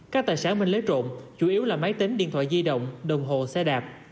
các tài sản minh lấy trộm chủ yếu là máy tính điện thoại di động đồng hồ xe đạp